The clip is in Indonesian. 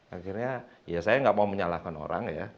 akhirnya saya tidak mau menyalahkan orang ya